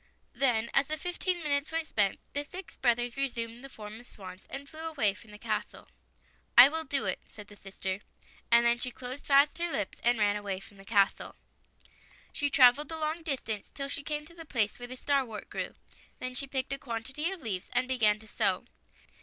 Then, as the fifteen minutes were spent, the six brothers resumed the form of swans and flew away from the castle. " I will do it," said the sister. And then she closed fast her lips and ran away from the castle. She traveled a long distance till she came to the place where the starwort grew. Then she picked a quantity of leaves and began to sew.